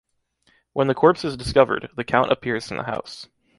When the corpse is discovered, the Count appears in the house.